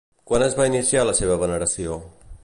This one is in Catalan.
Quan es va iniciar la seva veneració?